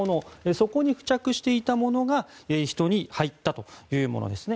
そこに付着していたものが人に入ったというものですね。